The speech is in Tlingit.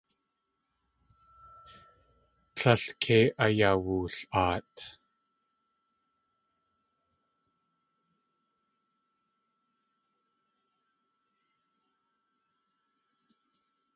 Tlél kei ayawul.aat.